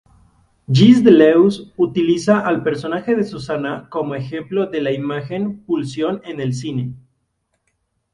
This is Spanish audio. Gilles Deleuze utiliza al personaje de Susana como ejemplo de Imagen-pulsión en el cine.